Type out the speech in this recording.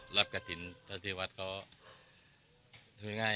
หลักกะทินคิดว่าก็ไม่ง่าย